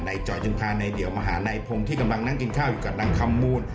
จ่อยจึงพานายเดี่ยวมาหานายพงศ์ที่กำลังนั่งกินข้าวอยู่กับนางคำมูล